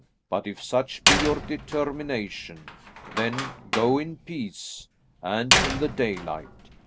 But if such be your determination, then go in peace, and in the daylight.